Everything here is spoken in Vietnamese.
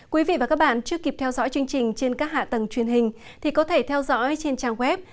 quý vị và các bạn chưa kịp theo dõi chương trình trên các hạ tầng truyền hình thì có thể theo dõi trên trang web